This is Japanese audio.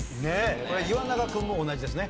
これ岩永君も同じですね。